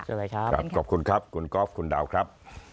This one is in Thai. สวัสดีครับคุณครับขอบคุณครับคุณก๊อฟคุณดาวครับ